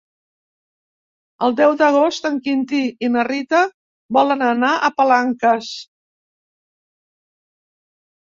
El deu d'agost en Quintí i na Rita volen anar a Palanques.